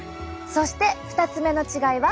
そして２つ目の違いは。